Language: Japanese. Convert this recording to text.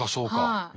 はい。